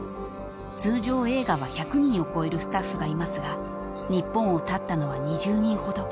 ［通常映画は１００人を超えるスタッフがいますが日本をたったのは２０人ほど。